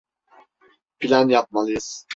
Plan yapmalıyız.